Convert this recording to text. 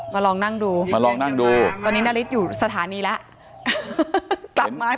มาลองนั่งดูมาลองนั่งดูตอนนี้นาริสอยู่สถานีแล้วกลับมา